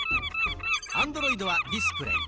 アンドロイドは「ディスプレイ」。